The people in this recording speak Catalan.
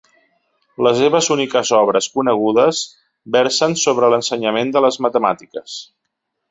Les seves úniques obres conegudes versen sobre l'ensenyament de les matemàtiques.